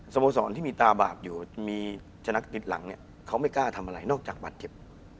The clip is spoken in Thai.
โมสรที่มีตาบาปอยู่มีชนะติดหลังเนี่ยเขาไม่กล้าทำอะไรนอกจากบาดเจ็บ